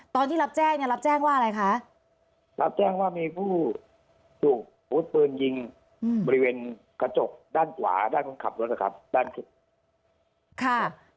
ตอนที่รับแจ้งรับแจ้งว่าอะไรคะ